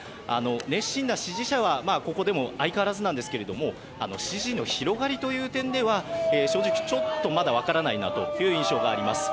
熱心な支持者はここでも相変わらずなんですが支持の広がりという点では正直ちょっとまだ分からないなという印象があります。